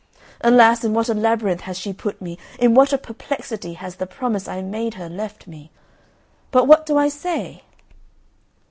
Alas, in what a labyrinth has she put me, in what a perplexity has the promise I made her left me! But what do I say?